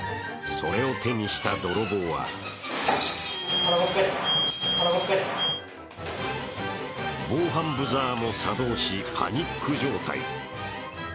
それを手にした泥棒は防犯ブザーも作動しパニック状態。